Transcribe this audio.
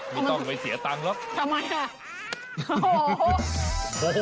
ไม่ต้องไปเสียเงินหรอกทำไมฮะ